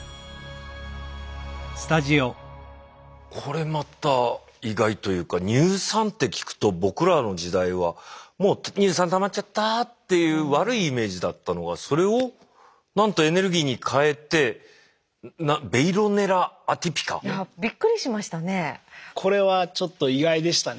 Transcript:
これまた意外というか乳酸って聞くと僕らの時代はもう「乳酸たまっちゃった」っていう悪いイメージだったのがそれをなんとエネルギーに変えていやびっくりしましたね。